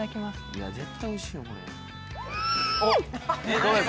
いや絶対おいしいわこれうん！